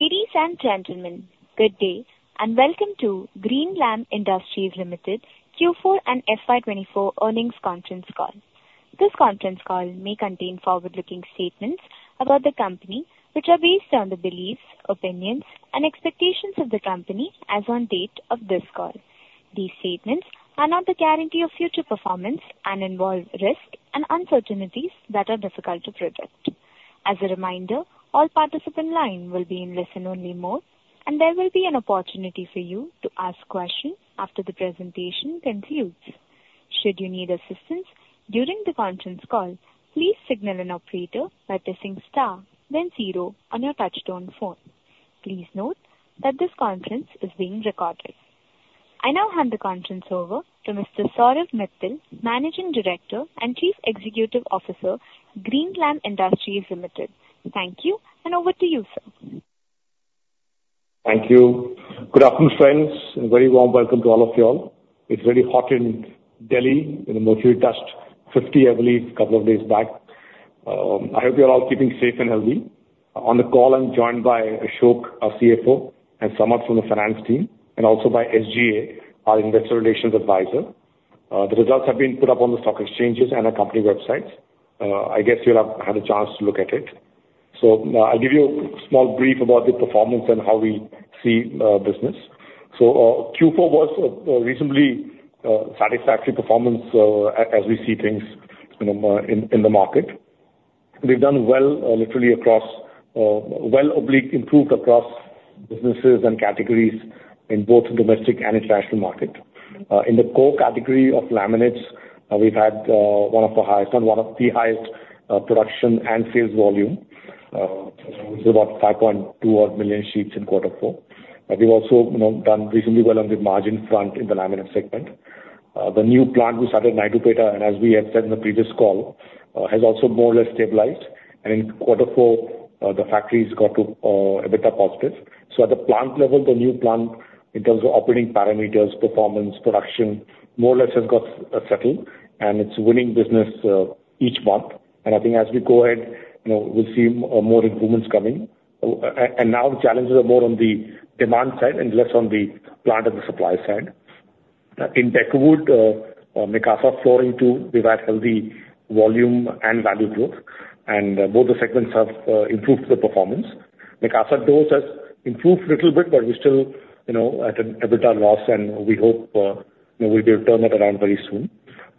Ladies and gentlemen, good day, and welcome to Greenlam Industries Limited Q4 and FY 2024 earnings conference call. This conference call may contain forward-looking statements about the company, which are based on the beliefs, opinions, and expectations of the company as on date of this call. These statements are not the guarantee of future performance and involve risks and uncertainties that are difficult to project. As a reminder, all participant line will be in listen-only mode, and there will be an opportunity for you to ask questions after the presentation concludes. Should you need assistance during the conference call, please signal an operator by pressing star then zero on your touchtone phone. Please note that this conference is being recorded. I now hand the conference over to Mr. Saurabh Mittal, Managing Director and Chief Executive Officer, Greenlam Industries Limited. Thank you, and over to you, sir. Thank you. Good afternoon, friends, and a very warm welcome to all of you all. It's very hot in Delhi. You know, mercury touched 50, I believe, a couple of days back. I hope you're all keeping safe and healthy. On the call, I'm joined by Ashok, our CFO, and Samar from the finance team, and also by SGA, our investor relations advisor. The results have been put up on the stock exchanges and our company websites. I guess you'll have had a chance to look at it. So I'll give you a small brief about the performance and how we see business. So, Q4 was a reasonably satisfactory performance, as we see things, you know, in the market. We've done well, literally across, well, improved across businesses and categories in both domestic and international market. In the core category of laminates, we've had one of the highest, and one of the highest, production and sales volume. It was about 5.2-odd million sheets in quarter four. But we've also, you know, done reasonably well on the margin front in the laminate segment. The new plant we started in Naidupeta, and as we had said in the previous call, has also more or less stabilized. And in quarter four, the factory's got to a better positive. So at the plant level, the new plant, in terms of operating parameters, performance, production, more or less has got settled, and it's winning business each month. And I think as we go ahead, you know, we'll see more improvements coming. And now the challenges are more on the demand side and less on the plant and the supply side. In Decowood, Mikasa Flooring, too, we've had healthy volume and value growth, and both the segments have improved the performance. Mikasa Doors has improved little bit, but we're still, you know, at an EBITDA loss, and we hope, you know, we'll be able to turn that around very soon.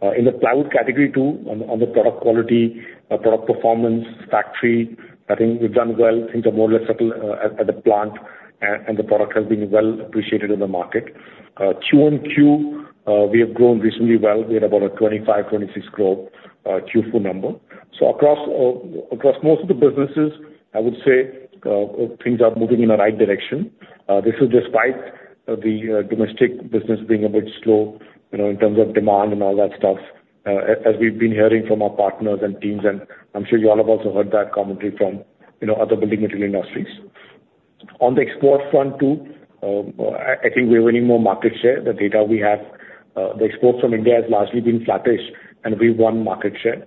In the plywood category, too, on the product quality, product performance, factory, I think we've done well. Things are more or less settled at the plant, and the product has been well appreciated in the market. Q-on-Q, we have grown reasonably well. We had about an 25 crore-26 crore Q4 number. So across, across most of the businesses, I would say, things are moving in the right direction. This is despite the domestic business being a bit slow, you know, in terms of demand and all that stuff, as we've been hearing from our partners and teams, and I'm sure you all have also heard that commentary from, you know, other building material industries. On the export front, too, I think we're winning more market share. The data we have, the exports from India has largely been flattish, and we won market share.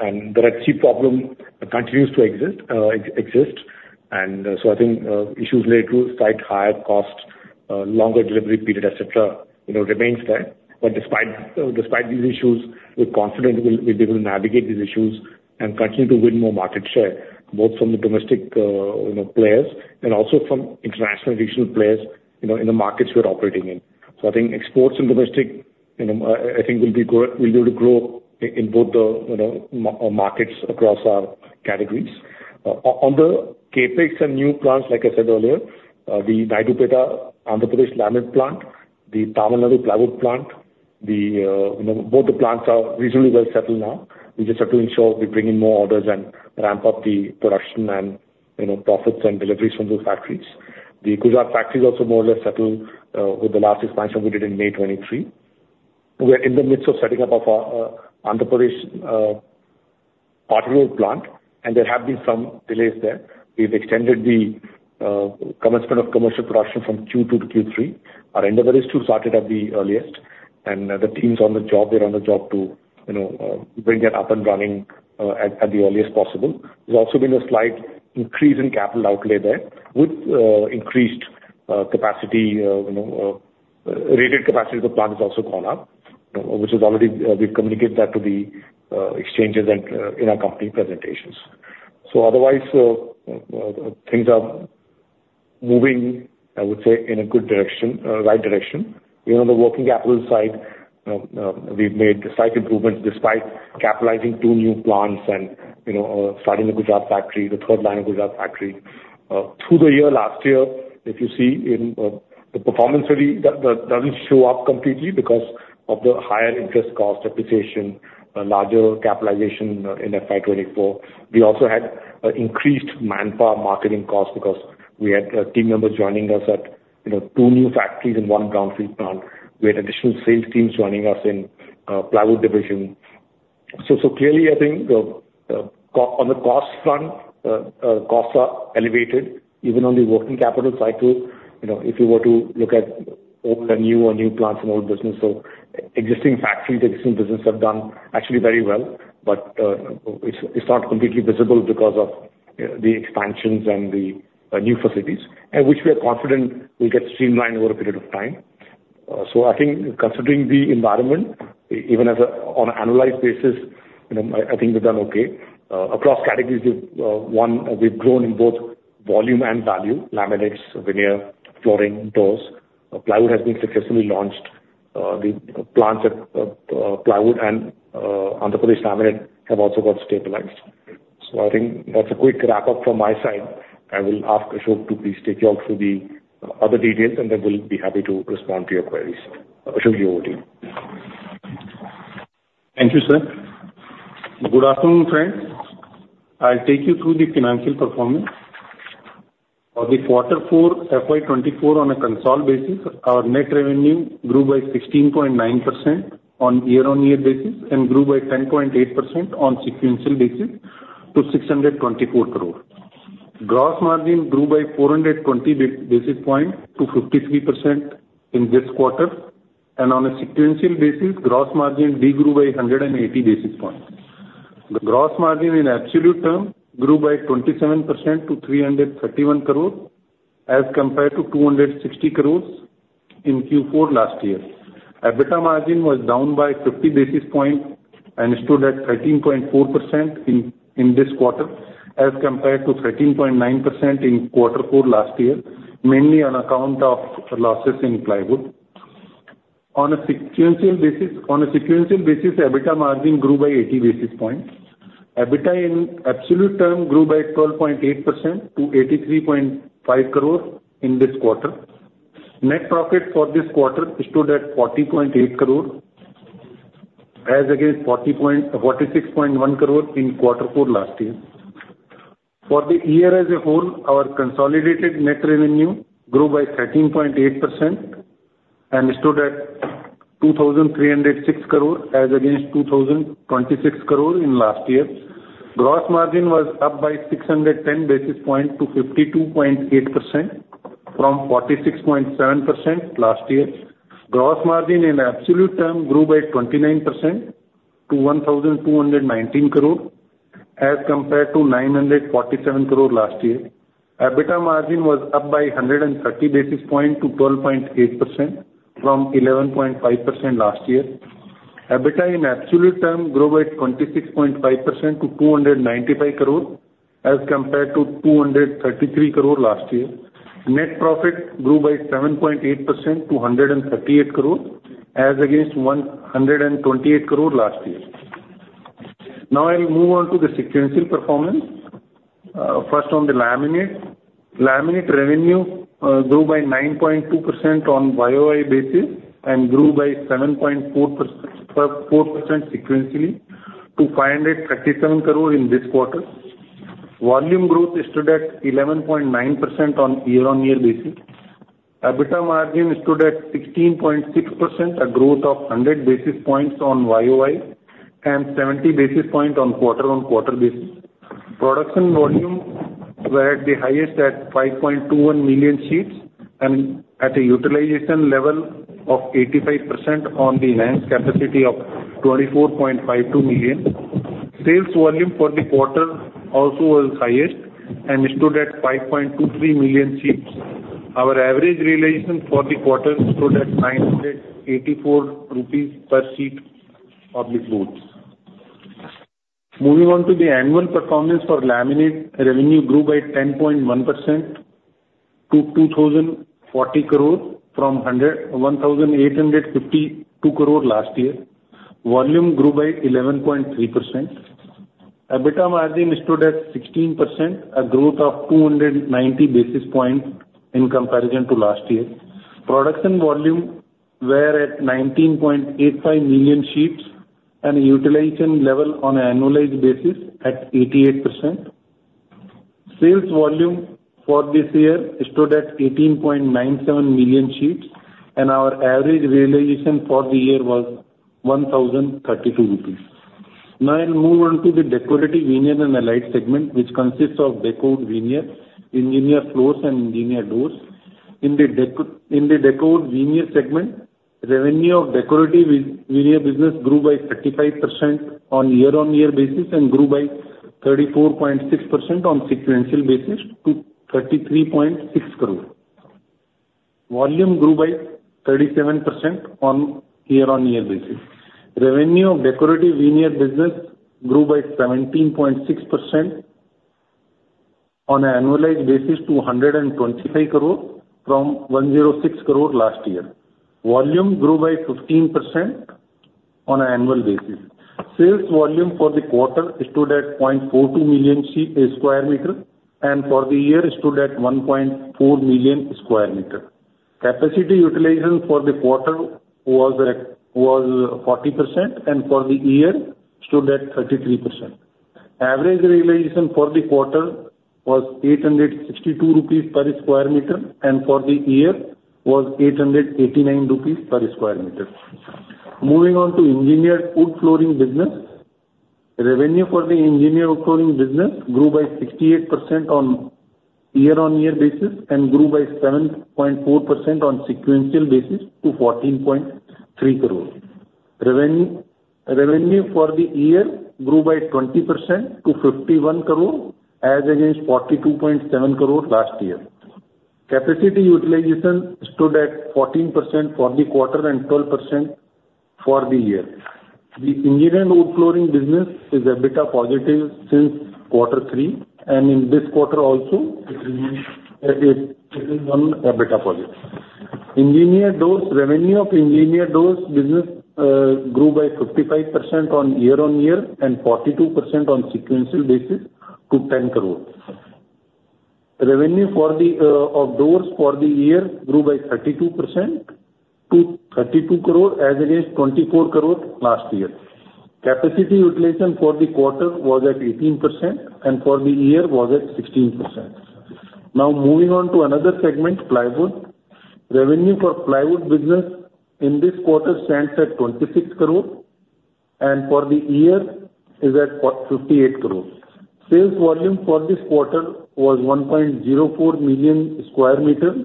And the Red Sea problem continues to exist. So I think, issues related to slight higher costs, longer delivery period, et cetera, you know, remains there. Despite these issues, we're confident we'll be able to navigate these issues and continue to win more market share, both from the domestic, you know, players and also from international regional players, you know, in the markets we're operating in. So I think exports and domestic, you know, I think we'll be able to grow in both the, you know, markets across our categories. On the CapEx and new plants, like I said earlier, the Naidupeta, Andhra Pradesh laminate plant, the Tamil Nadu plywood plant, you know, both the plants are reasonably well settled now. We just have to ensure we bring in more orders and ramp up the production and, you know, profits and deliveries from those factories. The Gujarat factory is also more or less settled with the last expansion we did in May 2023. We're in the midst of setting up of our Andhra Pradesh particle plant, and there have been some delays there. We've extended the commencement of commercial production from Q2-Q3. Our endeavor is to start it at the earliest, and the teams on the job, they're on the job to, you know, bring it up and running at the earliest possible. There's also been a slight increase in capital outlay there with increased capacity, you know, rated capacity of the plant has also gone up, which is already. We've communicated that to the exchanges and in our company presentations. So otherwise, things are moving, I would say, in a good direction, right direction. You know, the working capital side, we've made slight improvements despite capitalizing two new plants and, you know, starting the Gujarat factory, the third line of Gujarat factory. Through the year, last year, if you see in, the performance really, that doesn't show up completely because of the higher interest cost, depreciation, larger capitalization, in FY 2024. We also had, increased manpower marketing costs because we had, team members joining us at, you know, two new factories and one brownfield plant. We had additional sales teams joining us in, plywood division. So clearly, I think, on the cost front, costs are elevated even on the working capital cycle. You know, if you were to look at old and new or new plants and old business, so existing factories, existing business have done actually very well, but, it's, it's not completely visible because of, the expansions and the, new facilities, and which we are confident will get streamlined over a period of time.... So I think considering the environment, even as a, on an annualized basis, you know, I think we've done okay. Across categories, we've grown in both volume and value, laminates, veneer, flooring, doors. Plywood has been successfully launched. The plants at, plywood and, Andhra Pradesh laminate have also got stabilized. So I think that's a quick wrap up from my side. I will ask Ashok to please take you all through the other details, and then we'll be happy to respond to your queries. Ashok, over to you. Thank you, sir. Good afternoon, friends. I'll take you through the financial performance. For the Quarter 4, FY 2024 on a consolidated basis, our net revenue grew by 16.9% on year-on-year basis and grew by 10.8% on sequential basis to 624 crore. Gross margin grew by 420 basis points to 53% in this quarter. On a sequential basis, gross margin de-grew by 180 basis points. The gross margin in absolute terms grew by 27% to 331 crore, as compared to 260 crore in Q4 last year. EBITDA margin was down by 50 basis points and stood at 13.4% in this quarter, as compared to 13.9% in Quarter four last year, mainly on account of losses in plywood. On a sequential basis, on a sequential basis, EBITDA margin grew by 80 basis points. EBITDA in absolute term grew by 12.8% to 83.5 crore in this quarter. Net profit for this quarter stood at 40.8 crore, as against 46.1 crore in Quarter Four last year. For the year as a whole, our consolidated net revenue grew by 13.8% and stood at 2,306 crore, as against 2,026 crore in last year. Gross margin was up by 610 basis points to 52.8% from 46.7% last year. Gross margin in absolute term grew by 29% to 1,219 crore, as compared to 947 crore last year. EBITDA margin was up by 100 basis points to 12.8% from 11.5% last year. EBITDA in absolute term grew by 26.5% to 295 crore, as compared to 233 crore last year. Net profit grew by 7.8% to 138 crore, as against 128 crore last year. Now I'll move on to the sequential performance. First on the laminate. Laminate revenue grew by 9.2% on YoY basis and grew by 7.4%, 4% sequentially to 537 crore in this quarter. Volume growth stood at 11.9% on year-on-year basis. EBITDA margin stood at 16.6%, a growth of 100 basis points on YoY and 70 basis points on quarter-on-quarter basis. Production volume were at the highest at 5.21 million sheets and at a utilization level of 85% on the installed capacity of 24.52 million. Sales volume for the quarter also was highest and stood at 5.23 million sheets. Our average realization for the quarter stood at 984 rupees per sheet of the boards. Moving on to the annual performance for laminate, revenue grew by 10.1% to 2,040 crore from 1,852 crore last year. Volume grew by 11.3%. EBITDA margin stood at 16%, a growth of 290 basis points in comparison to last year. Production volume were at 19.85 million sheets, and utilization level on an annualized basis at 88%. Sales volume for this year stood at 18.97 million sheets, and our average realization for the year was 1,032 rupees. Now I'll move on to the decorative veneer and allied segment, which consists of decor veneer, engineered floors, and engineered doors. In the decor veneer segment, revenue of decorative veneer business grew by 35% on year-on-year basis and grew by 34.6% on sequential basis to 33.6 crore. Volume grew by 37% on year-on-year basis. Revenue of decorative veneer business grew by 17.6% on an annualized basis to 125 crore from 106 crore last year. Volume grew by 15% on an annual basis. Sales volume for the quarter stood at 0.42 million square meters, and for the year stood at 1.4 million square meters. Capacity utilization for the quarter was at 40%, and for the year stood at 33%. Average realization for the quarter was 862 rupees per square meter, and for the year was 889 rupees per square meter. Moving on to engineered wood flooring business. Revenue for the engineered wood flooring business grew by 68% on year-on-year basis and grew by 7.4% on sequential basis to 14.3 crore. Revenue for the year grew by 20% to 51 crore, as against 42.7 crore last year. Capacity utilization stood at 14% for the quarter, and 12% for the year. The engineered wood flooring business is EBITDA positive since quarter three, and in this quarter also, it remains, it is on EBITDA positive. Engineered doors. Revenue of engineered doors business grew by 55% year-over-year, and 42% on sequential basis to 10 crore. Revenue for the of doors for the year grew by 32% to 32 crore, as against 24 crore last year. Capacity utilization for the quarter was at 18%, and for the year was at 16%. Now, moving on to another segment, plywood. Revenue for plywood business in this quarter stands at 26 crore, and for the year is at fifty-eight crore. Sales volume for this quarter was 1.04 million square meters,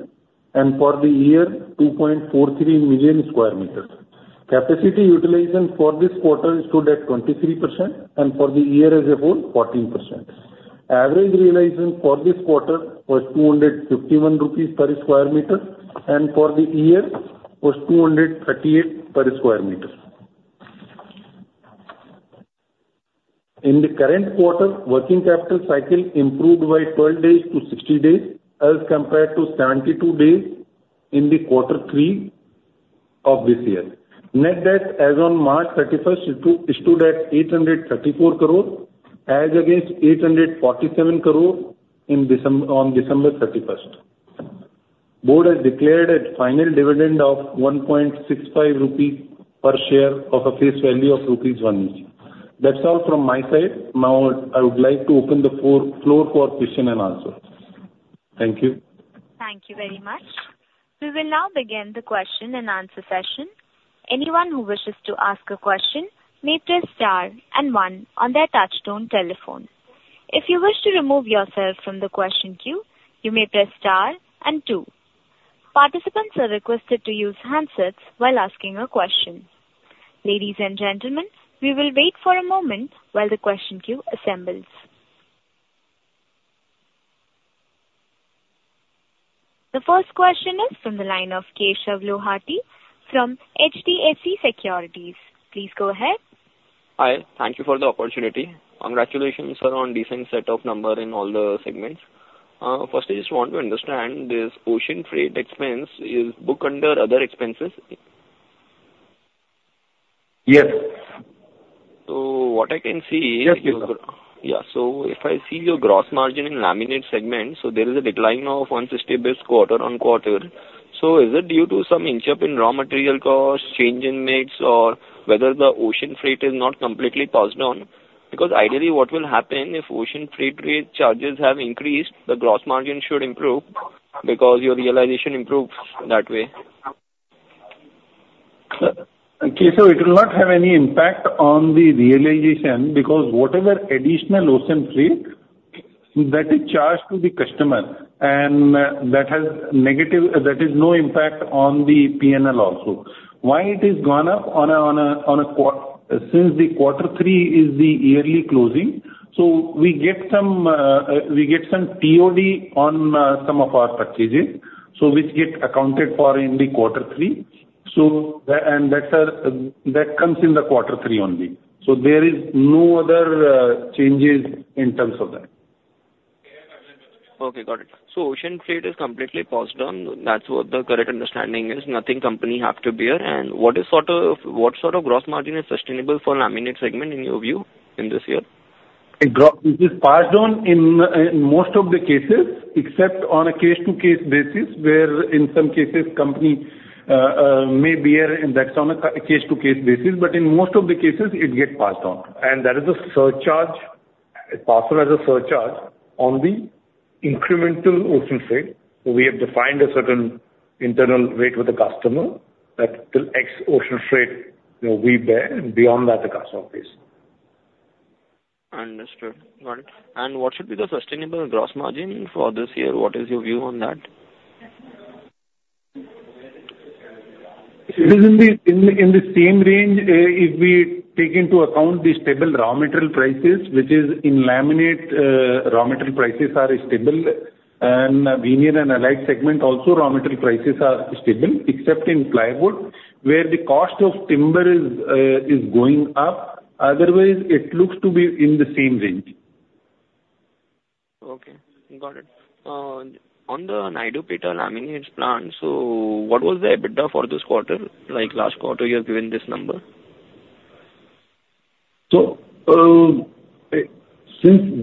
and for the year, 2.43 million square meters. Capacity utilization for this quarter stood at 23%, and for the year as a whole, 14%. Average realization for this quarter was 251 rupees per sq m, and for the year was 238 per sq m. In the current quarter, working capital cycle improved by 12 days to 60 days, as compared to 72 days in quarter three of this year. Net debt as on March 31 stood at 834 crore, as against 847 crore on December 31. Board has declared a final dividend of 1.65 rupees per share of a face value of rupees 1 each. That's all from my side. Now, I would like to open the floor for question and answer. Thank you. Thank you very much. We will now begin the question and answer session. Anyone who wishes to ask a question may press star and one on their touchtone telephone. If you wish to remove yourself from the question queue, you may press star and two. Participants are requested to use handsets while asking a question. Ladies and gentlemen, we will wait for a moment while the question queue assembles. The first question is from the line of Keshav Lahoti from HDFC Securities. Please go ahead. Hi, thank you for the opportunity. Congratulations, sir, on decent set of number in all the segments. Firstly, I just want to understand, this ocean freight expense is booked under other expenses? Yes. What I can see- Yes, Keshav. Yeah. So if I see your gross margin in laminate segment, so there is a decline now of 1% this quarter-over-quarter. So is it due to some inch up in raw material costs, change in mix, or whether the ocean freight is not completely passed on? Because ideally, what will happen if ocean freight rate charges have increased, the gross margin should improve, because your realization improves that way. Keshav, it will not have any impact on the realization, because whatever additional ocean freight that is charged to the customer, and that is no impact on the PNL also. Why it is gone up on a quarter. Since the quarter three is the yearly closing, so we get some TOD on some of our purchases, so which get accounted for in the quarter three. And that comes in the quarter three only. So there is no other changes in terms of that. Okay, got it. So ocean freight is completely passed on. That's what the correct understanding is, nothing company have to bear. And what is sort of, what sort of gross margin is sustainable for laminate segment, in your view, in this year? It is passed on in most of the cases, except on a case-to-case basis, where in some cases, company may bear, and that's on a case-to-case basis. But in most of the cases, it gets passed on, and that is a surcharge. It's passed on as a surcharge on the incremental ocean freight. So we have defined a certain internal rate with the customer that till X ocean freight, we bear, and beyond that, the customer pays. Understood. Got it. What should be the sustainable gross margin for this year? What is your view on that? It is in the same range, if we take into account the stable raw material prices, which is in laminate, raw material prices are stable. And veneer and allied segment also, raw material prices are stable, except in plywood, where the cost of timber is going up. Otherwise, it looks to be in the same range. Okay, got it. On the Naidupeta laminate plant, so what was the EBITDA for this quarter? Like last quarter, you have given this number. Since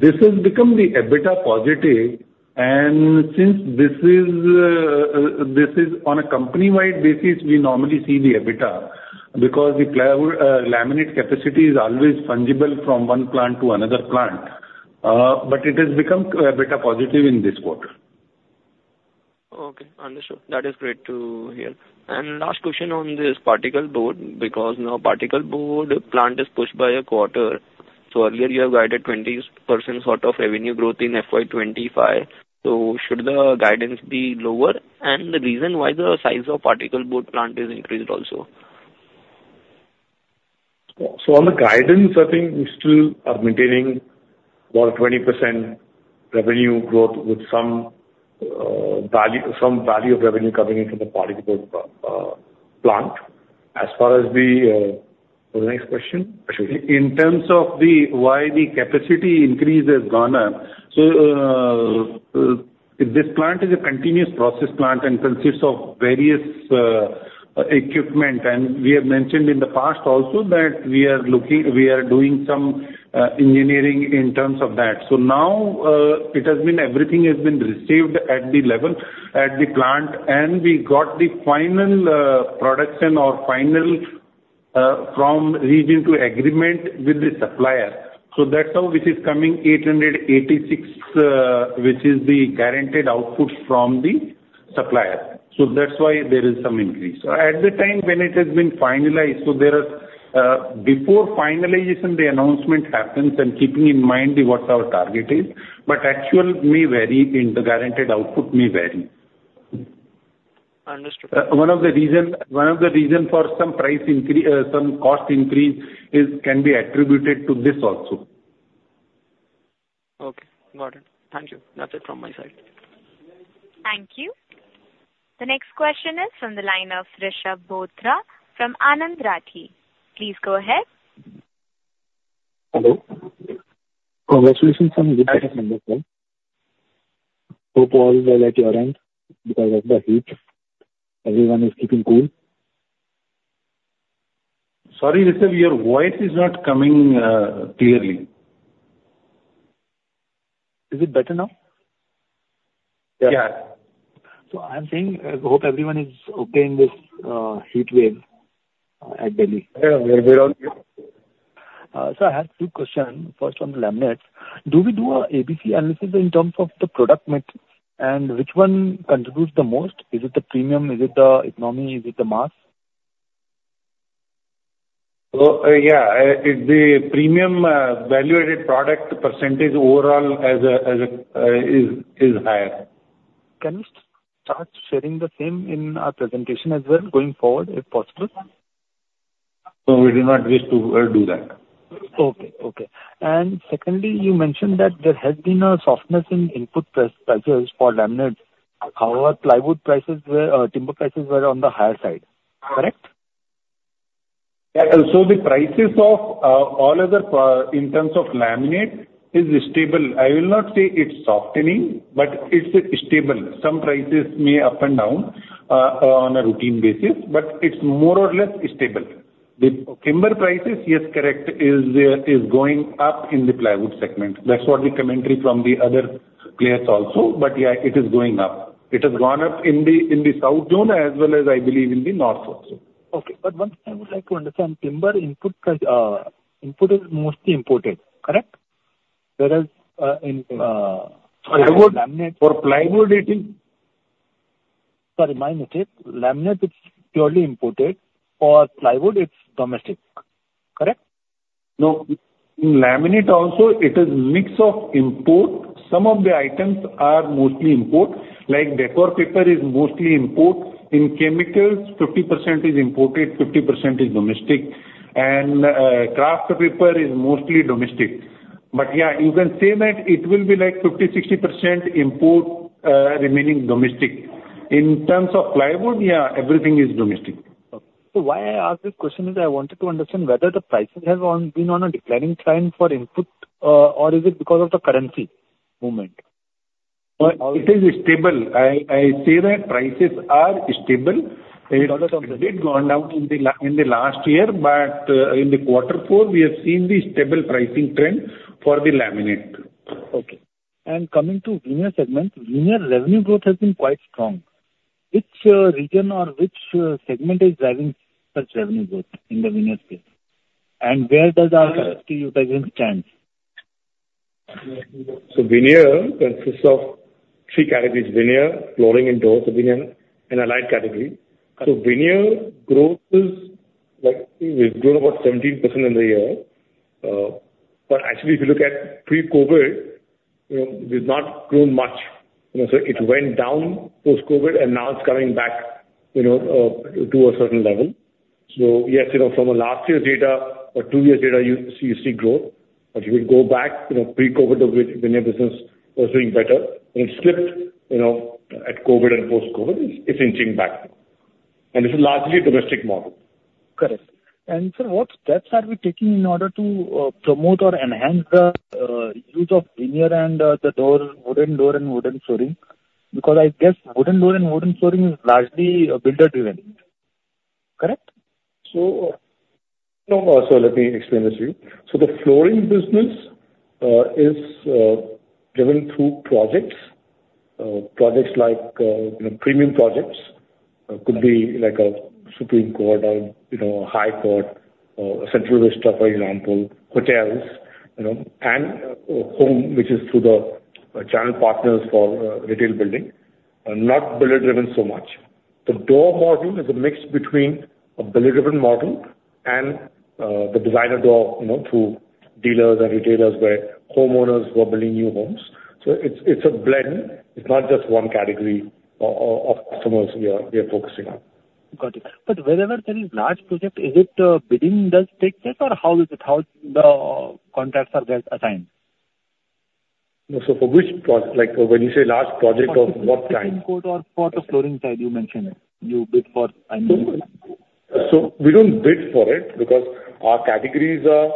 this has become the EBITDA positive, and since this is on a company-wide basis, we normally see the EBITDA, because the plywood, laminate capacity is always fungible from one plant to another plant. But it has become EBITDA positive in this quarter. Okay, understood. That is great to hear. And last question on this particle board, because now particle board plant is pushed by a quarter.... So earlier you have guided 20% sort of revenue growth in FY 2025. So should the guidance be lower? And the reason why the size of particle board plant is increased also. So, on the guidance, I think we still are maintaining about 20% revenue growth with some value, some value of revenue coming in from the particle board plant. As far as the next question? In terms of the why the capacity increase has gone up, so, this plant is a continuous process plant and consists of various equipment. And we have mentioned in the past also that we are looking, we are doing some engineering in terms of that. So now, it has been everything has been received at the level, at the plant, and we got the final production or final from reaching to agreement with the supplier. So that's how this is coming 886, which is the guaranteed output from the supplier. So that's why there is some increase. So at the time when it has been finalized, so there are, before finalization, the announcement happens and keeping in mind what our target is, but actual may vary and the guaranteed output may vary. Understood. One of the reason for some price increase, some cost increase is, can be attributed to this also. Okay, got it. Thank you. That's it from my side. Thank you. The next question is from the line of Rishab Bothra from Anand Rathi. Please go ahead. Hello. Congratulations on good. Hope all is well at your end because of the heat. Everyone is keeping cool. Sorry, Rishab, your voice is not coming clearly. Is it better now? Yeah. So, I'm saying, hope everyone is okay in this heat wave at Delhi. We're all good. So, I have two questions. First, on the laminates. Do we do an ABC analysis in terms of the product mix, and which one contributes the most? Is it the premium? Is it the economy? Is it the mass? So, yeah, the premium value-added product percentage overall as a is higher. Can you start sharing the same in our presentation as well going forward, if possible? No, we do not wish to do that. Okay, okay. And secondly, you mentioned that there has been a softness in input price, prices for laminates. However, plywood prices were, timber prices were on the higher side, correct? Yeah. So the prices of all other part in terms of laminate is stable. I will not say it's softening, but it's stable. Some prices may up and down on a routine basis, but it's more or less stable. The timber prices, yes, correct, is going up in the plywood segment. That's what the commentary from the other players also. But yeah, it is going up. It has gone up in the south zone as well as, I believe, in the north also. Okay. But one thing I would like to understand, timber input price, input is mostly imported, correct? Whereas, in, Plywood- laminate. For Plywood it is... Sorry, my mistake. Laminate is purely imported. For plywood, it's domestic, correct? No. In laminate also, it is mix of import. Some of the items are mostly import, like Decor Paper is mostly import. In chemicals, 50% is imported, 50% is domestic. And, Kraft Paper is mostly domestic. But yeah, you can say that it will be like 50%-60% import, remaining domestic. In terms of plywood, yeah, everything is domestic. Okay. So why I asked this question is I wanted to understand whether the pricing has been on a declining trend for input, or is it because of the currency movement? It is stable. I say that prices are stable. In terms of the- It did gone down in the last year, but in quarter four, we have seen the stable pricing trend for the laminate. Okay. Coming to veneer segment, veneer revenue growth has been quite strong. Which region or which segment is driving such revenue growth in the veneer space? And where does our UT presence stand? Veneer consists of three categories, veneer, flooring and doors, veneer and allied category. So veneer growth is like, we've grown about 17% in the year. But actually, if you look at pre-COVID, you know, we've not grown much. You know, so it went down post-COVID, and now it's coming back, you know, to a certain level. So yes, you know, from a last year data or two year data, you see, you see growth, but you would go back, you know, pre-COVID, the veneer business was doing better, and it slipped, you know, at COVID and post-COVID. It's inching back, and it's largely a domestic model. Correct. And sir, what steps are we taking in order to promote or enhance the use of veneer and the door, wooden door and wooden flooring? Because I guess wooden door and wooden flooring is largely builder-driven. Correct? So, no, so let me explain this to you. So the flooring business is driven through projects. Projects like, you know, premium projects, could be like a Supreme Court or, you know, a High Court or a central restaurant, for example, hotels, you know, and home, which is through the channel partners for retail building. Not builder-driven so much. The door model is a mix between a builder-driven model and the designer door, you know, through dealers and retailers where homeowners who are building new homes. So it's a blend. It's not just one category of customers we are focusing on. Got it. But wherever there is large project, is it, bidding does take place, or how is it? How the contracts are get assigned? So for which, like, when you say large project, of what kind? For the flooring tile, you mentioned it. You bid for annual. So we don't bid for it because our categories are,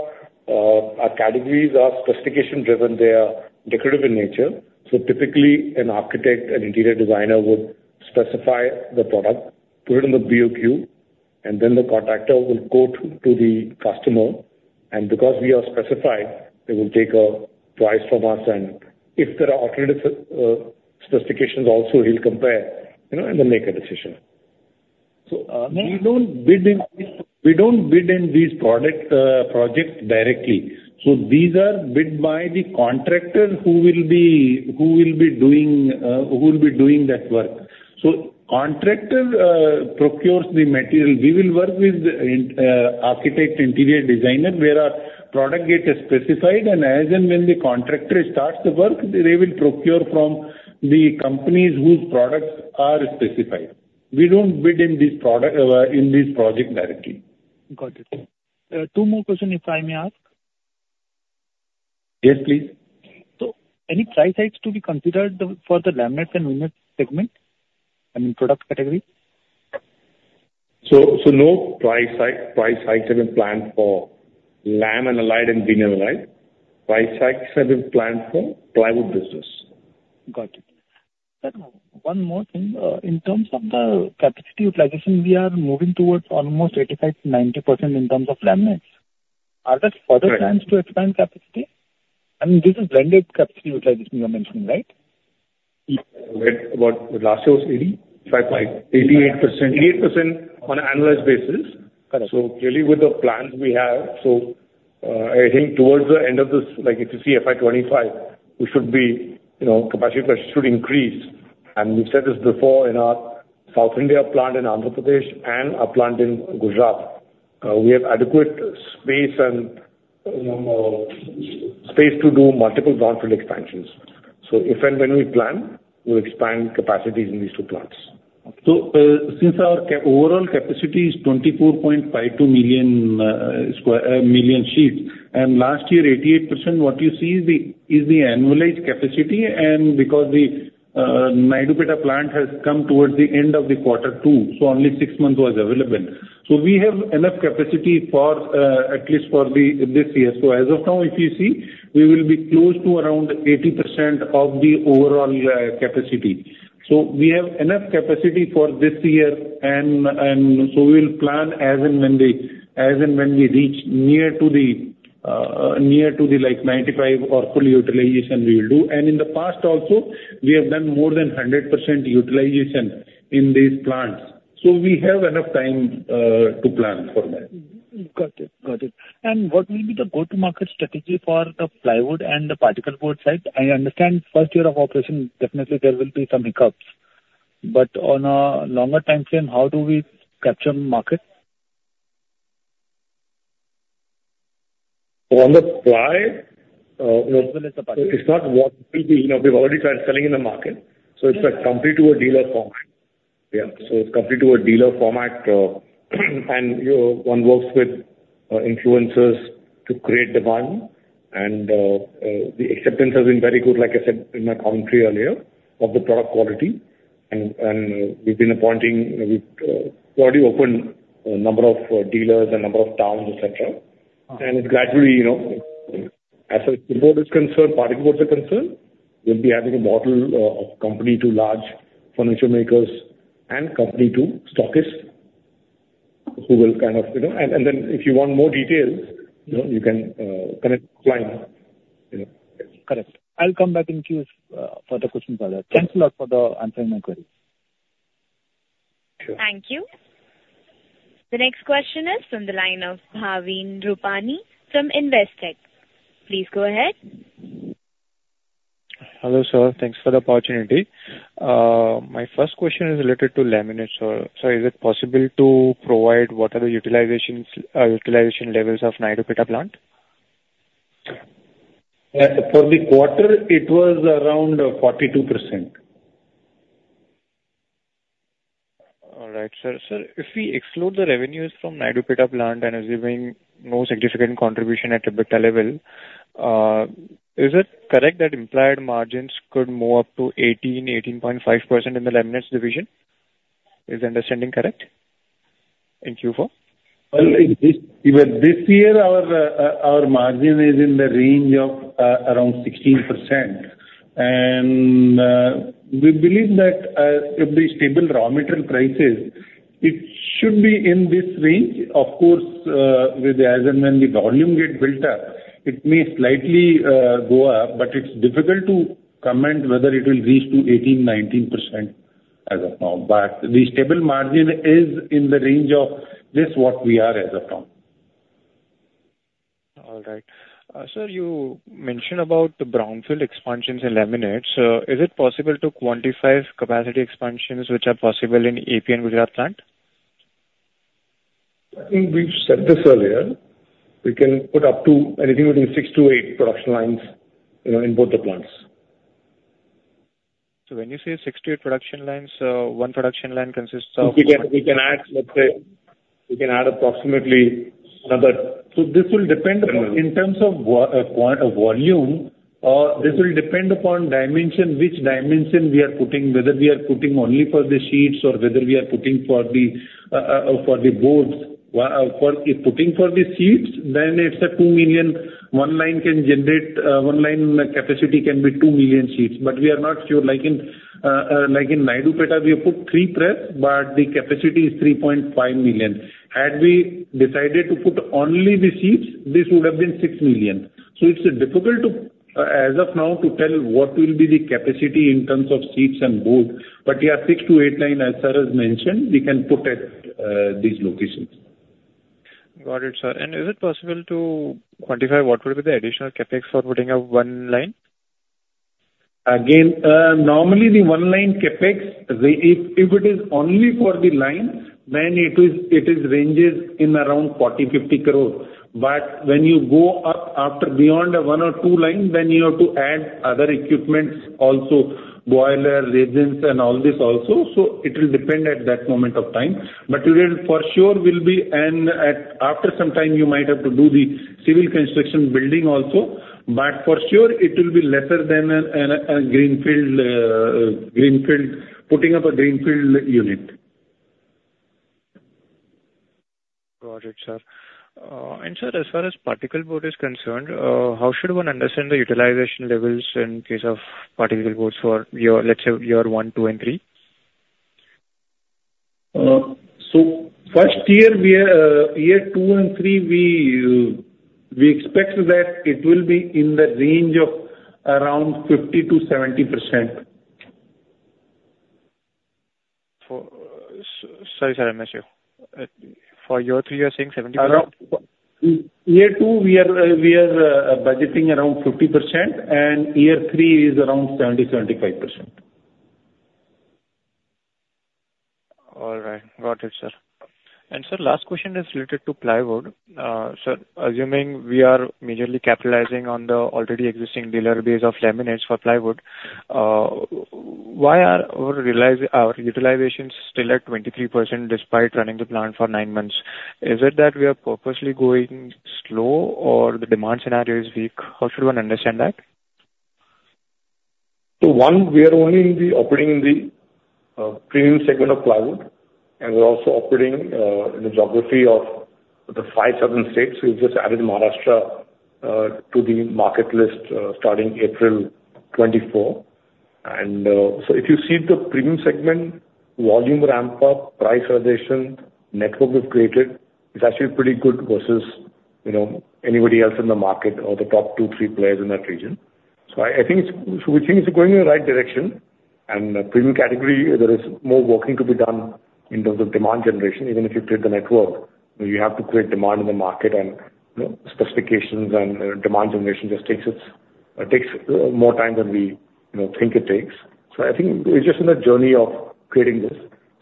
our categories are specification-driven. They are decorative in nature. So typically, an architect, an interior designer would specify the product, put it in the BOQ, and then the contractor will go to, to the customer, and because we are specified, they will take a price from us. And if there are alternative, specifications also, he'll compare, you know, and then make a decision. So, uh- We don't bid in these product projects directly. So these are bid by the contractor who will be doing that work. So contractor procures the material. We will work with the architect, interior designer, where our product gets specified, and as and when the contractor starts the work, they will procure from the companies whose products are specified. We don't bid in this project directly. Got it. Two more questions, if I may ask? Yes, please. So any price hikes to be considered for the laminates and veneers segment, I mean, product category? So, no price hike, price hikes have been planned for lam and allied and veneer allied. Price hikes have been planned for plywood business. Got it. Sir, one more thing. In terms of the capacity utilization, we are moving towards almost 85%-90% in terms of laminates. Right. Are there further plans to expand capacity? I mean, this is blended capacity utilization you are mentioning, right? Yeah. What, last year was 85 point- 88%. 88% on an annualized basis. Correct. So clearly, with the plans we have, I think towards the end of this, like, if you see FY 2025, we should be, you know, capacity should increase. And we've said this before in our South India plant in Andhra Pradesh and our plant in Gujarat, we have adequate space and, you know, space to do multiple brownfield expansions. So if and when we plan, we'll expand capacities in these two plants. So, since our overall capacity is 24.52 million square million sheets, and last year, 88%, what you see is the, is the annualized capacity. And because the Naidupeta plant has come towards the end of the quarter two, so only six months was available. So we have enough capacity for at least for the this year. So as of now, if you see, we will be close to around 80% of the overall capacity. So we have enough capacity for this year and, and so we'll plan as and when we reach near to the, like, 95% or full utilization, we will do. And in the past also, we have done more than 100% utilization in these plants, so we have enough time to plan for that. Got it. Got it. What will be the go-to-market strategy for the plywood and the particleboard side? I understand first year of operation, definitely there will be some hiccups, but on a longer timeframe, how do we capture market? On the ply, As well as the particle. It's not what will be. You know, we've already started selling in the market, so it's a company to a dealer format. Yeah, so it's company to a dealer format, and, you know, one works with influencers to create demand. And the acceptance has been very good, like I said in my commentary earlier, of the product quality. And we've been appointing, we've already opened a number of dealers and number of towns, et cetera. Uh. It's gradually, you know. As far as particle boards are concerned, we'll be having a model of company to large furniture makers and company to stockists, who will kind of, you know. And then if you want more details, you know, you can connect client, you know? Correct. I'll come back in queue for the questions later. Thanks a lot for the answering my queries. Sure. Thank you. The next question is from the line of Bhavin Rupani from Investec. Please go ahead. Hello, sir, thanks for the opportunity. My first question is related to laminates, sir. Sir, is it possible to provide what are the utilizations, utilization levels of Naidupeta plant? For the quarter, it was around 42%. All right, sir. Sir, if we exclude the revenues from Naidupeta plant and assuming no significant contribution at EBITDA level, is it correct that implied margins could move up to 18%-18.5% in the laminates division? Is my understanding correct? Thank you, sir. Well, this year our margin is in the range of around 16%. And we believe that if the stable raw material prices, it should be in this range. Of course, with as and when the volume get built up, it may slightly go up, but it's difficult to comment whether it will reach to 18%, 19% as of now. But the stable margin is in the range of this, what we are as of now.... All right. Sir, you mentioned about the brownfield expansions in laminates. Is it possible to quantify capacity expansions which are possible in AP and Gujarat plant? I think we've said this earlier. We can put up to anything within 6-8 production lines, you know, in both the plants. So when you say 6-8 production lines, one production line consists of- We can, we can add, let's say, we can add approximately another. So this will depend upon in terms of volume, this will depend upon dimension, which dimension we are putting, whether we are putting only for the sheets or whether we are putting for the, for the boards. While for putting for the sheets, then it's a 2 million, one line can generate, one line capacity can be 2 million sheets. But we are not sure, like in, like in Naidupeta, we have put three press, but the capacity is 3.5 million. Had we decided to put only the sheets, this would have been 6 million. So it's difficult to, as of now, to tell what will be the capacity in terms of sheets and board. Yeah, 6-8 line, as far as mentioned, we can put at these locations. Got it, sir. And is it possible to quantify what will be the additional CapEx for putting up one line? Again, normally the one line CapEx, if it is only for the line, then it ranges around 40 crore-50 crore. But when you go up after beyond one or two lines, then you have to add other equipments, also, boiler, resins, and all this also. So it will depend at that moment of time. But we will for sure be, and after some time you might have to do the civil construction building also, but for sure it will be lesser than a greenfield, putting up a greenfield unit. Got it, sir. And sir, as far as particle board is concerned, how should one understand the utilization levels in case of particle boards for year, let's say, year one, two, and three? So first year, year two and three, we expect that it will be in the range of around 50%-70%. Sorry, sir, I missed you. For year three, you're saying 70%? Around year two, we are budgeting around 50%, and year three is around 70%-75%. All right. Got it, sir. Sir, last question is related to plywood. Sir, assuming we are majorly capitalizing on the already existing dealer base of laminates for plywood, why are our utilizations still at 23% despite running the plant for nine months? Is it that we are purposely going slow or the demand scenario is weak? How should one understand that? So one, we are only operating in the premium segment of plywood, and we're also operating in the geography of the five southern states. We've just added Maharashtra to the market list starting April 2024. So if you see the premium segment, volume ramp-up, price realization, network we've created, is actually pretty good versus, you know, anybody else in the market or the top two, three players in that region. So I, I think it's, we think it's going in the right direction. And the premium category, there is more working to be done in terms of demand generation. Even if you build the network, you have to create demand in the market, and, you know, specifications and demand generation just takes more time than we, you know, think it takes. So I think we're just in the journey of creating this.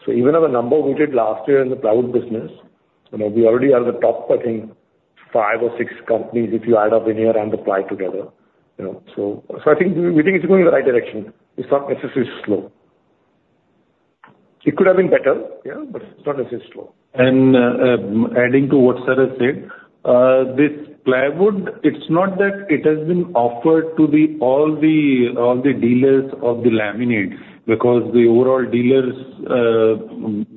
So even have a number we did last year in the plywood business, you know, we already are the top, I think, five or six companies, if you add up veneer and the ply together, you know. So, so I think we think it's going in the right direction. It's not necessarily slow. It could have been better, yeah, but it's not necessarily slow. And, adding to what sir has said, this plywood, it's not that it has been offered to all the dealers of the laminate, because the overall dealers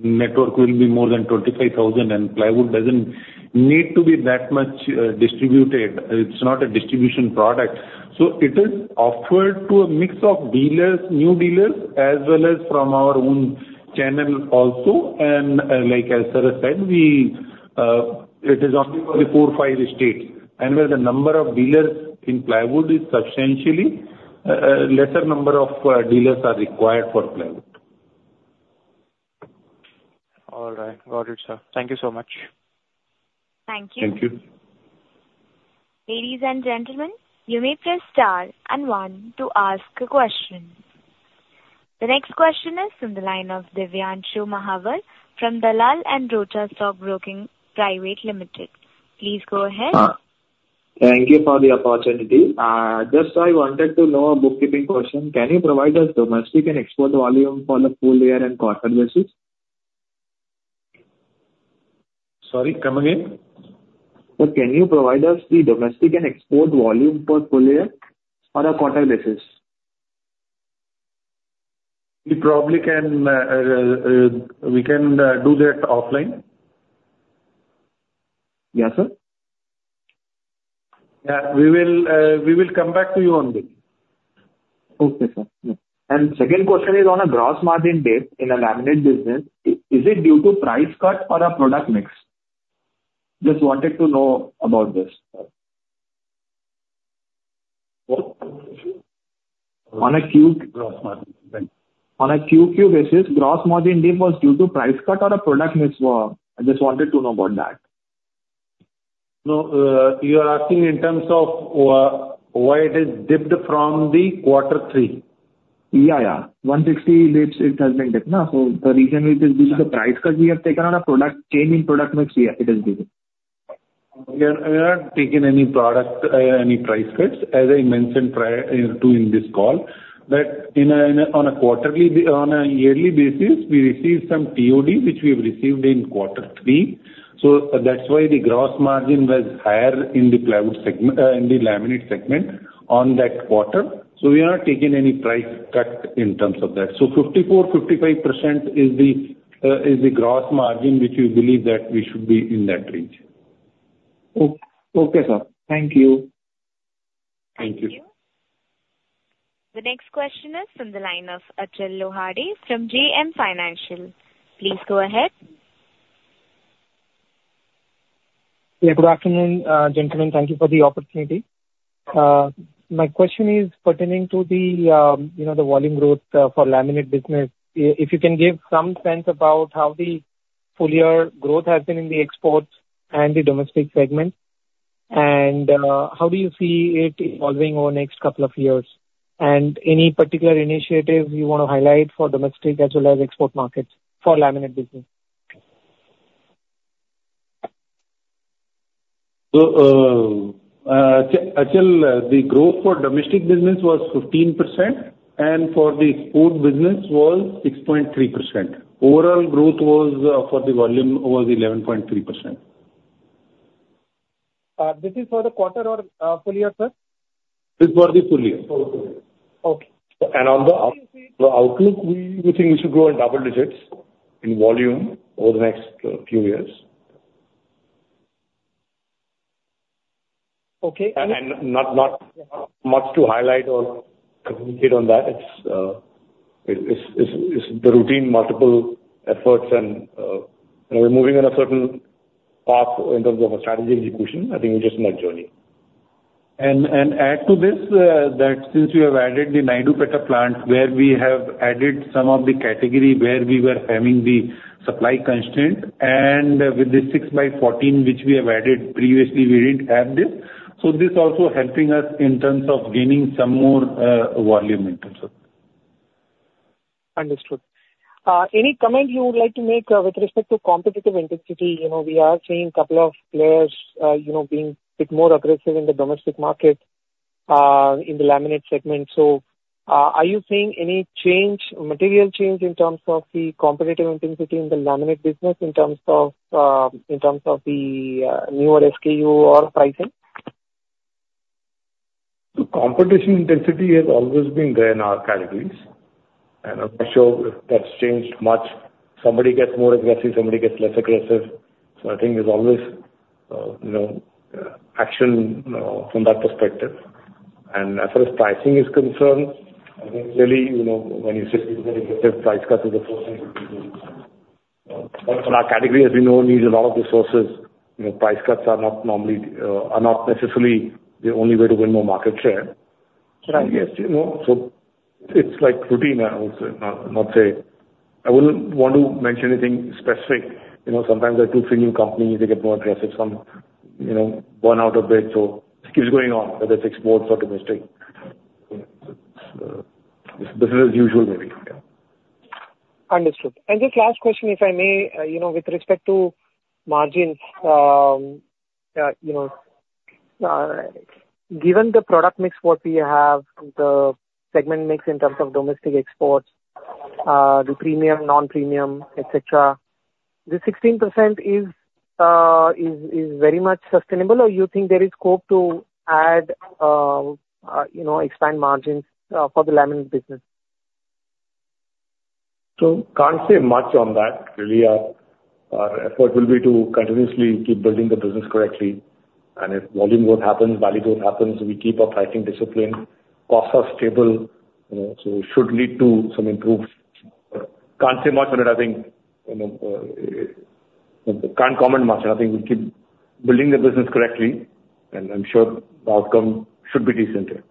network will be more than 25,000, and plywood doesn't need to be that much distributed. It's not a distribution product. So it is offered to a mix of dealers, new dealers, as well as from our own channel also. Like as sir has said, it is only for the 4-5 states, and where the number of dealers in plywood is substantially lesser number of dealers are required for plywood. All right. Got it, sir. Thank you so much. Thank you. Thank you. Ladies and gentlemen, you may press star and one to ask a question. The next question is from the line of Divyanshu Mahawar from Dalal & Broacha Stock Broking Private Limited. Please go ahead. Thank you for the opportunity. Just, I wanted to know a bookkeeping question. Can you provide us domestic and export volume for the full year and quarter basis? Sorry, come again. Sir, can you provide us the domestic and export volume for full year on a quarter basis? We probably can. We can do that offline. Yeah, sir. Yeah, we will, we will come back to you on this. Okay, sir. Yeah. And second question is on a gross margin dip in the laminate business, is it due to price cut or a product mix? Just wanted to know about this. On a Q-Q basis, gross margin dip was due to price cut or a product mix. I just wanted to know about that. No, you are asking in terms of why it has dipped from the quarter three? Yeah, yeah. 160, it has been dipped, no? So the reason it is due to the price cut we have taken on a product, change in product mix, yeah, it has dipped. We are, we are not taking any product, any price cuts, as I mentioned to you in this call. But on a yearly basis, we receive some TOD, which we have received in quarter three, so that's why the gross margin was higher in the plywood segment, in the laminate segment on that quarter. So we are not taking any price cut in terms of that. So 54%-55% is the, is the gross margin, which we believe that we should be in that range. Okay, sir. Thank you. Thank you. Thank you. The next question is from the line of Achal Lohade from JM Financial. Please go ahead. Yeah, good afternoon, gentlemen. Thank you for the opportunity. My question is pertaining to the, you know, the volume growth for laminate business. If you can give some sense about how the full year growth has been in the exports and the domestic segment, and how do you see it evolving over the next couple of years? And any particular initiative you want to highlight for domestic as well as export markets for laminate business? So, Achal, the growth for domestic business was 15%, and for the export business was 6.3%. Overall growth was, for the volume, over the 11.3%. This is for the quarter or full year, sir? This is for the full year. For the full year. Okay. On the outlook, we think we should grow in double digits in volume over the next few years. Okay, and- Not much to highlight or communicate on that. It's the routine, multiple efforts and, you know, we're moving on a certain path in terms of a strategy execution. I think we're just in that journey. And add to this, that since we have added the Naidupeta plant, where we have added some of the category where we were having the supply constraint, and with the 6 by 14, which we have added previously, we didn't have this. So this also helping us in terms of gaining some more, volume in terms of. Understood. Any comment you would like to make with respect to competitive intensity? You know, we are seeing couple of players, you know, being a bit more aggressive in the domestic market in the laminate segment. So, are you seeing any change, material change in terms of the competitive intensity in the laminate business, in terms of the newer SKU or pricing? The competition intensity has always been there in our categories, and I'm not sure if that's changed much. Somebody gets more aggressive, somebody gets less aggressive, so I think there's always, you know, action from that perspective. As far as pricing is concerned, I think really, you know, when you price cut is the first thing to do. But our category, as we know, needs a lot of resources. You know, price cuts are not normally, are not necessarily the only way to win more market share. Right. Yes, you know, so it's like routine, I would say, not say... I wouldn't want to mention anything specific. You know, sometimes there are two, three new companies, they get more aggressive, some, you know, burn out a bit. So it keeps going on, whether it's export or domestic. You know, it's, business as usual, maybe, yeah. Understood. And just last question, if I may, you know, with respect to margins, you know, given the product mix, what we have, the segment mix in terms of domestic exports, the premium, non-premium, et cetera, the 16% is very much sustainable, or you think there is scope to add, you know, expand margins, for the laminate business? So can't say much on that. Really, our effort will be to continuously keep building the business correctly, and if volume growth happens, value growth happens, we keep our pricing discipline. Costs are stable, you know, so should lead to some improvements. Can't say much on it. I think, you know, can't comment much. I think we keep building the business correctly, and I'm sure the outcome should be decent here.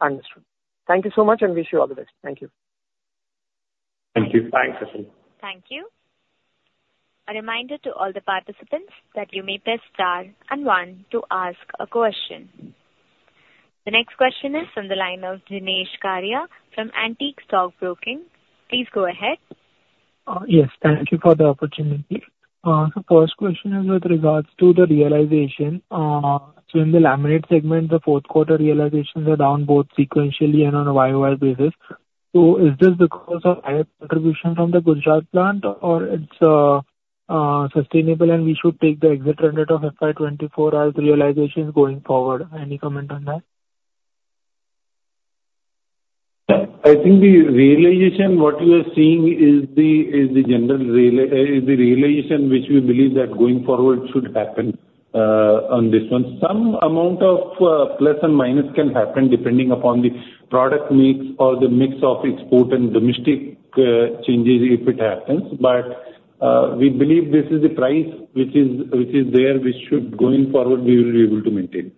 Understood. Thank you so much, and wish you all the best. Thank you. Thank you. Thanks, Achal. Thank you. A reminder to all the participants that you may press star and one to ask a question. The next question is from the line of Dinesh Karia from Antique Stock Broking. Please go ahead. Yes, thank you for the opportunity. The first question is with regards to the realization. So in the laminate segment, the fourth quarter realizations are down both sequentially and on a YoY basis. So is this because of higher contribution from the Gujarat plant, or it's sustainable and we should take the exit run rate of FY 2024 as the realization going forward? Any comment on that? I think the realization, what you are seeing is the general realization which we believe that going forward should happen on this one. Some amount of plus and minus can happen depending upon the product mix or the mix of export and domestic changes, if it happens. But we believe this is the price which is there, which should, going forward, we will be able to maintain....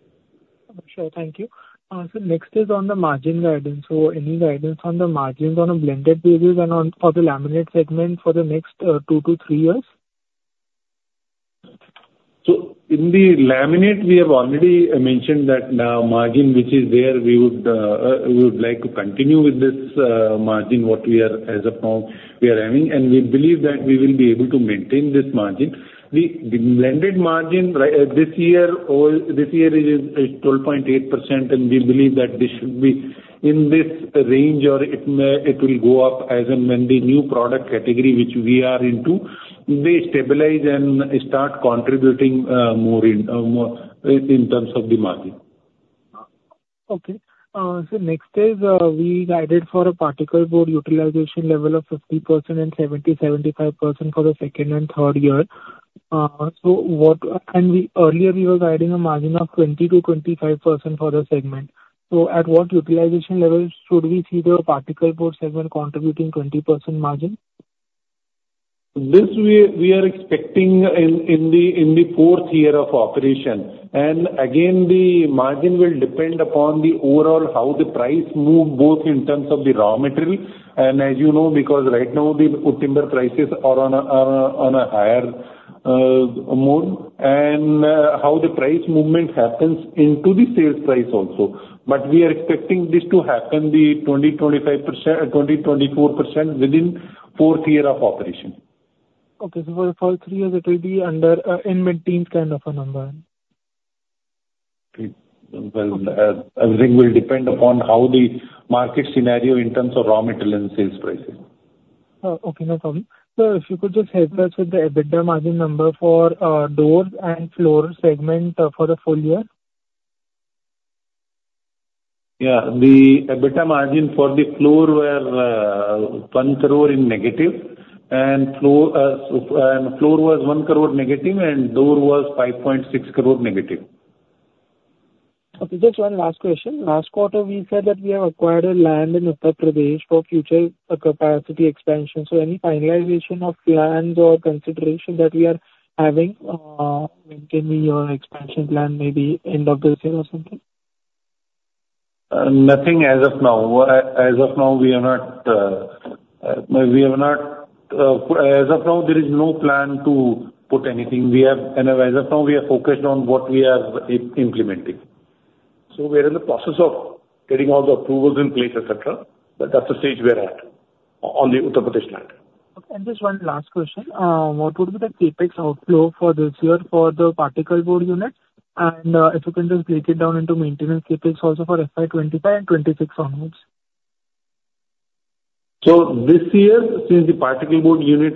Sure. Thank you. So next is on the margin guidance. So any guidance on the margins on a blended basis and on- for the laminate segment for the next, 2-3 years? In the laminate, we have already mentioned that the margin which is there, we would like to continue with this margin what we are as of now having. We believe that we will be able to maintain this margin. The blended margin this year is 12.8%, and we believe that this should be in this range, or it may go up as and when the new product category which we are into they stabilize and start contributing more in terms of the margin. Okay. So next is, we guided for a particle board utilization level of 50% and 70%-75% for the second and third year. So what... And we, earlier we were guiding a margin of 20%-25% for the segment. So at what utilization level should we see the particle board segment contributing 20% margin? This, we are expecting in the fourth year of operation. Again, the margin will depend upon the overall how the price move, both in terms of the raw material, and as you know, because right now the timber prices are on a higher mode, and how the price movement happens into the sales price also. We are expecting this to happen, the 25%, 24% within fourth year of operation. Okay. So for the first three years it will be under, in maintained kind of a number? Well, everything will depend upon how the market scenario in terms of raw material and sales pricing. Okay, no problem. Sir, if you could just help us with the EBITDA margin number for doors and floor segment for the full year? Yeah. The EBITDA margin for the floor were -1 crore, and floor was -1 crore, and door was -5.6 crore. Okay, just one last question. Last quarter, we said that we have acquired a land in Uttar Pradesh for future, capacity expansion. So any finalization of plans or consideration that we are having, maintaining your expansion plan, maybe end of this year or something? Nothing as of now. As of now, we are not. As of now, there is no plan to put anything. We have, and as of now, we are focused on what we are implementing. So we are in the process of getting all the approvals in place, et cetera. But that's the stage we are at on the Uttar Pradesh land. Okay, and just one last question. What would be the CapEx outflow for this year for the particle board unit? And, if you can just break it down into maintenance CapEx also for FY 2025 and FY 2026 onwards. So this year, since the particle board unit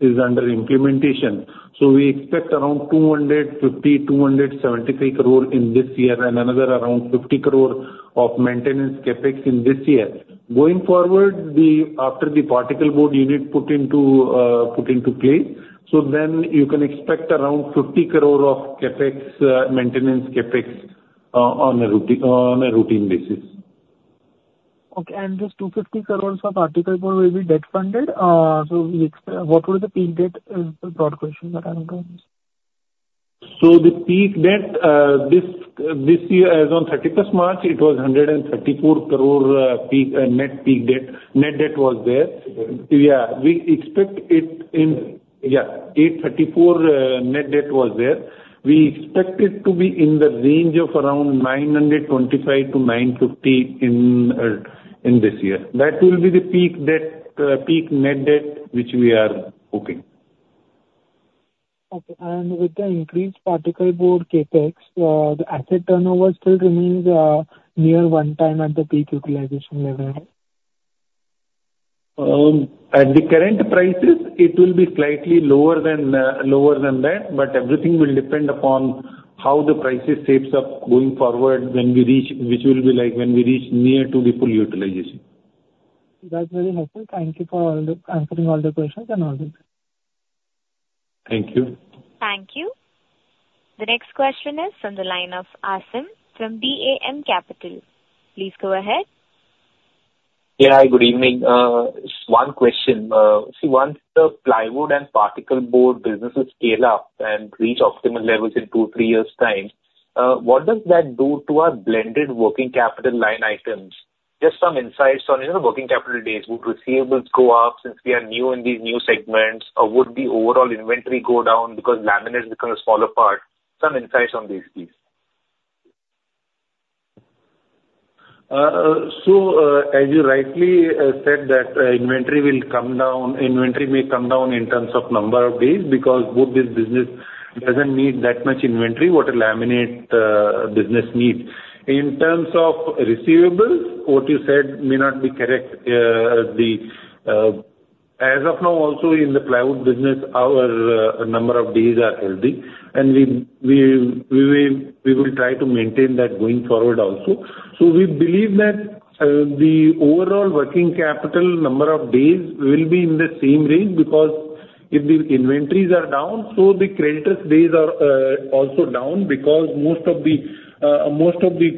is under implementation, so we expect around 250-273 crore in this year, and another around 50 crore of maintenance CapEx in this year. Going forward, after the particle board unit put into place, so then you can expect around 50 crore of CapEx, maintenance CapEx, on a routine basis. Okay, and this 250 crores of Particle Board will be debt funded. So we expect, what will the peak debt, broad question that I'm going to ask? So the peak debt this year, as on thirty-first March, it was 134 crore, peak net debt. Net debt was there. Okay. Yeah. We expect it. Yeah, 834 net debt was there. We expect it to be in the range of around 925-950 in this year. That will be the peak debt, peak net debt which we are hoping. Okay. With the increased particle board CapEx, the asset turnover still remains near 1x at the peak utilization level? At the current prices, it will be slightly lower than that, but everything will depend upon how the prices shapes up going forward when we reach, which will be like when we reach near to the full utilization. That's very helpful. Thank you for answering all the questions and all the- Thank you. Thank you. The next question is from the line of Aasim from DAM Capital. Please go ahead. Yeah. Hi, good evening. Just one question. So once the plywood and particle board businesses scale up and reach optimal levels in 2-3 years' time, what does that do to our blended working capital line items? Just some insights on, you know, working capital days. Would receivables go up since we are new in these new segments, or would the overall inventory go down because laminate becomes a smaller part? Some insights on these, please. So, as you rightly said, that inventory will come down, inventory may come down in terms of number of days because both this business doesn't need that much inventory what a laminate business needs. In terms of receivables, what you said may not be correct. As of now, also in the plywood business, our number of days are healthy, and we will try to maintain that going forward also. So we believe that the overall working capital number of days will be in the same range, because if the inventories are down, so the creditors' days are also down, because most of the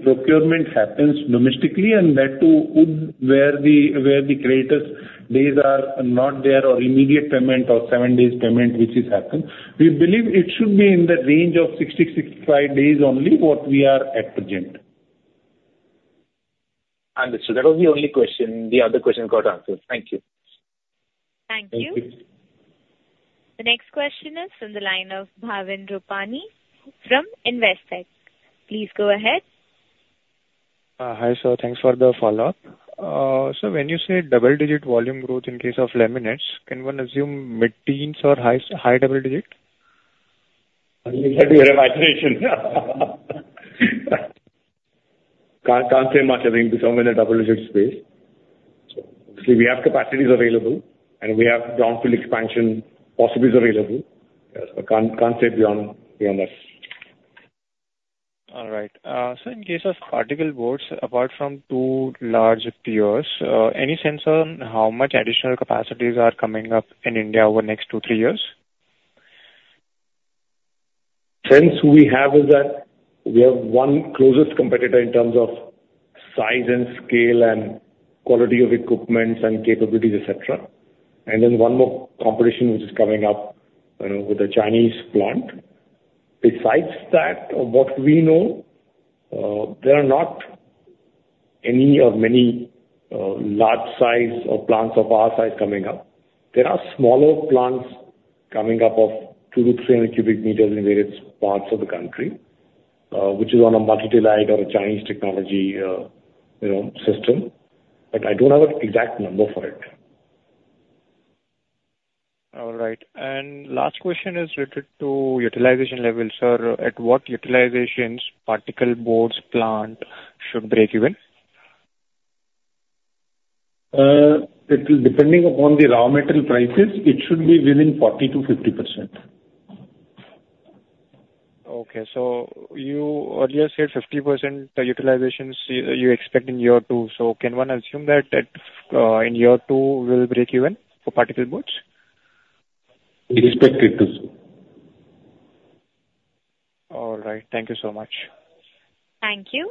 procurement happens domestically, and that too, where the creditors' days are not there, or immediate payment or seven days payment, which is happened. We believe it should be in the range of 60-65 days only, what we are at present. ...Understood. That was the only question. The other question got answered. Thank you. Thank you. Thank you. The next question is from the line of Bhavin Rupani from Investec. Please go ahead. Hi, sir. Thanks for the follow-up. So when you say double digit volume growth in case of laminates, can one assume mid-teens or high double digit? You have my prediction. Can't say much. I think it's somewhere in the double digit space. So obviously, we have capacities available, and we have greenfield expansion possibilities available. Yes, but can't say beyond that. All right. So in case of particle boards, apart from 2 large peers, any sense on how much additional capacities are coming up in India over the next 2-3 years? sense we have is that we have one closest competitor in terms of size and scale and quality of equipment and capabilities, et cetera. And then one more competitor, which is coming up, with a Chinese plant. Besides that, what we know, there are not any or many, large size or plants of our size coming up. There are smaller plants coming up of 200-300 cubic meters in various parts of the country, which is on a multi-daylight or a Chinese technology, you know, system, but I don't have an exact number for it. All right. Last question is related to utilization levels. Sir, at what utilizations particle board plant should break even? It will depending upon the raw material prices, it should be within 40%-50%. Okay, so you earlier said 50% utilization you expect in year two. So can one assume that in year two we'll break even for particle board? We expect it to. All right. Thank you so much. Thank you.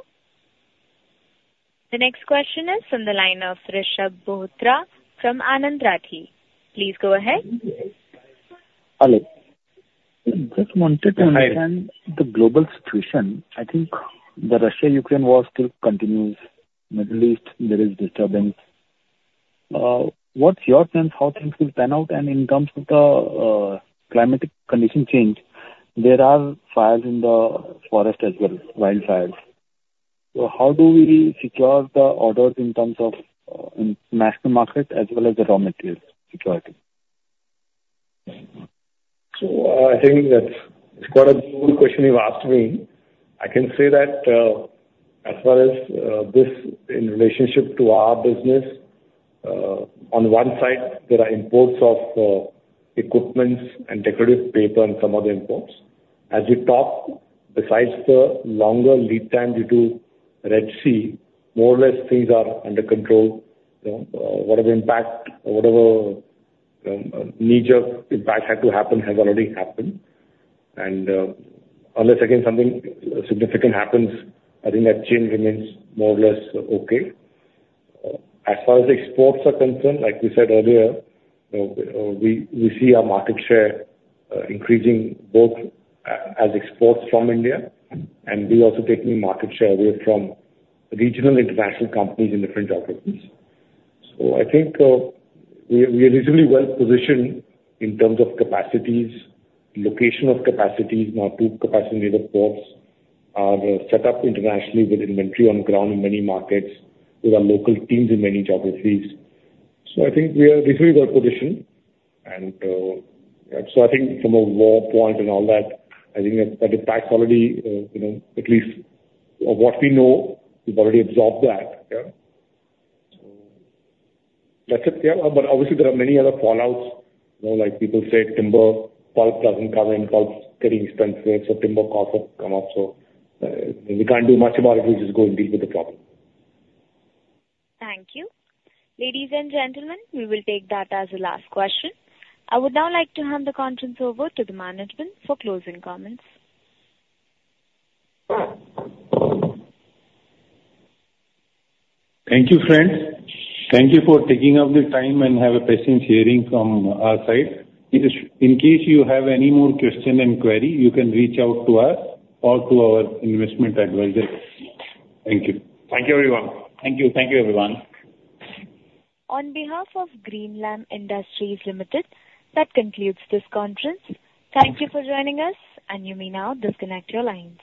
The next question is from the line of Rishab Bothra from Anand Rathi. Please go ahead. Hello. Just wanted to- Hi. -understand the global situation. I think the Russia-Ukraine war still continues. Middle East, there is disturbance. What's your sense, how things will pan out? And in terms of the, climatic condition change, there are fires in the forest as well, wildfires. So how do we secure the orders in terms of, in national market as well as the raw materials security? So I think that's quite a good question you've asked me. I can say that, as far as, this in relationship to our business, on one side, there are imports of, equipments and decor paper and some other imports. As we talk, besides the longer lead time due to Red Sea, more or less things are under control. You know, whatever impact or whatever, major impact had to happen has already happened. And, unless again something significant happens, I think that chain remains more or less okay. As far as exports are concerned, like we said earlier, we, we see our market share, increasing both as exports from India, and we also taking market share away from regional and international companies in different geographies. So I think, we are reasonably well positioned in terms of capacities, location of capacities. Our two capacity ports are set up internationally with inventory on ground in many markets, with our local teams in many geographies. So I think we are reasonably well positioned. And, so I think from a war point and all that, I think that the impact already, you know, at least what we know, we've already absorbed that, yeah. So that's it, yeah. But obviously, there are many other fallouts. You know, like people say, timber pulp doesn't come in, pulp's getting expensive, so timber costs have come up so, we can't do much about it. We just go and deal with the problem. Thank you. Ladies and gentlemen, we will take that as the last question. I would now like to hand the conference over to the management for closing comments. Thank you, friends. Thank you for taking the time and having a patient hearing from our side. In case you have any more questions and queries, you can reach out to us or to our investment advisors. Thank you. Thank you, everyone. Thank you. Thank you, everyone. On behalf of Greenlam Industries Limited, that concludes this conference. Thank you for joining us, and you may now disconnect your lines.